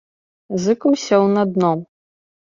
Зыкаў сеў на дно.